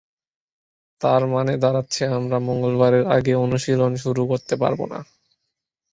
তার মানে দাঁড়াচ্ছে আমরা মঙ্গলবারের আগে অনুশীলন শুরু করতে পারব না।